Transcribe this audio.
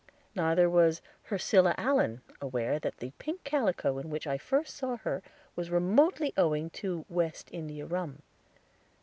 Neither was Hersila Allen aware that the pink calico in which I first saw her was remotely owing to West India Rum.